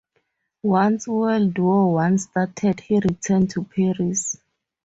Once World War One started he returned to Paris.